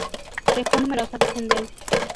Dejó numerosa descendencia.